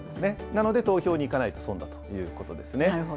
なので、投票に行かないと損だということですね。